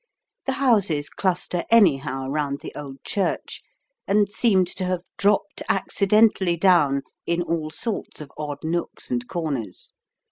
The houses cluster "anyhow" round the old church, and seem to have dropped accidentally down in all sorts of odd nooks and corners.